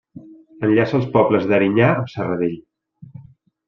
Enllaça els pobles d'Erinyà amb Serradell.